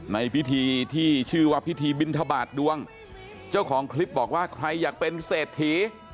ในพิธีที่ชื่อว่าพิธีบินทบาทดวงเจ้าของคลิปบอกว่าใครอยากเป็นเศรษฐี